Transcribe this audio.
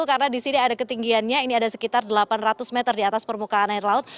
karena di sini ada ketinggiannya ini ada sekitar delapan ratus meter di atas permukaan air laut